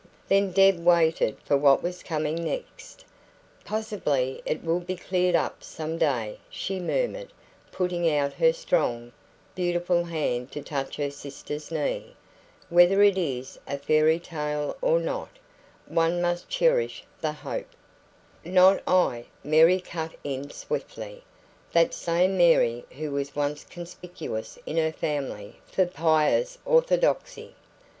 Then Deb waited for what was coming next. "Possibly it will be cleared up some day," she murmured, putting out her strong, beautiful hand to touch her sister's knee. "Whether it is a fairy tale or not, one must cherish the hope " "Not I," Mary cut in swiftly that same Mary who was once conspicuous in her family for pious orthodoxy.